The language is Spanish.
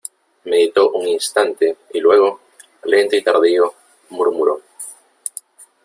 meditó un instante , y luego , lento y tardío , murmuró :